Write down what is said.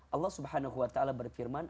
allah swt berfirman